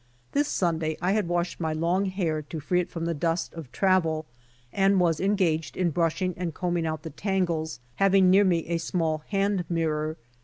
This Sunday I had washed my long hair to free it from the dust of travel and was engaged in brushing and combing out the tangles, having near me a small hand mirror.